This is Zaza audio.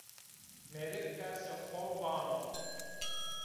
Mêrik persê xo vano